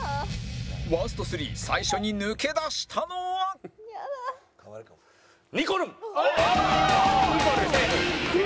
ワースト３最初に抜け出したのはにこるん！にこるんセーフ。